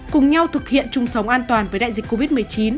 cùng nhau thực hiện chung sống an toàn với đại dịch covid một mươi chín